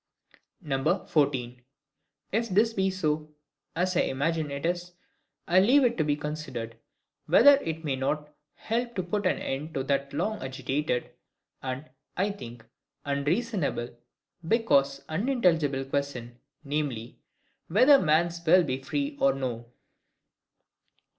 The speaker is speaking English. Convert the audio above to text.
14. If this be so, (as I imagine it is,) I leave it to be considered, whether it may not help to put an end to that long agitated, and, I think, unreasonable, because unintelligible question, viz. WHETHER MAN'S WILL BE FREE OR NO?